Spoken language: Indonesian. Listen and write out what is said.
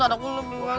ya ustaz aku lebih mahal